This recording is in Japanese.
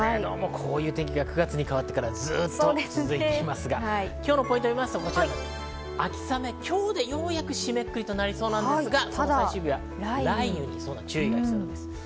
こういう天気が９月に変わってからずっと続いていますが、今日のポイントはこちら、秋雨、今日でようやく締めくくりとなりそうですが、雷雨に注意が必要なんです。